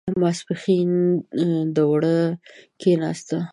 ماسپښين دوړه کېناسته.